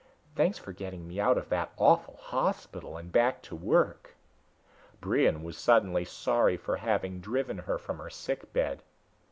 Thanks for getting me out of that awful hospital and back to work." Brion was suddenly sorry for having driven her from her sick bed.